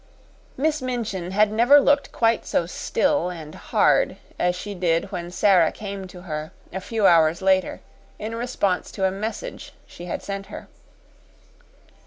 Miss Minchin had never looked quite so still and hard as she did when Sara came to her, a few hours later, in response to a message she had sent her.